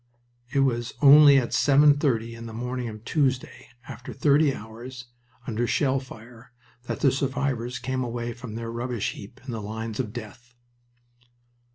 It was only at seven thirty in the morning of Tuesday, after thirty hours under shell fire, that the survivors came away from their rubbish heap in the lines of death.